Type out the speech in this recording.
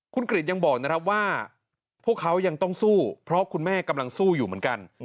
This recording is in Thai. คุณกริจยังบอกนะครับว่าพวกเขายังต้องสู้เพราะคุณแม่กำลังสู้อยู่เหมือนกัน